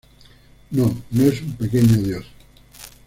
No, no es un pequeño dios.